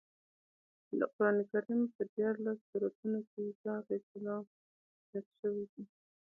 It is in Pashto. د قرانکریم په دیارلس سورتونو کې عیسی علیه السلام یاد شوی دی.